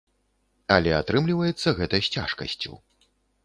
Але атрымліваецца гэта з цяжкасцю.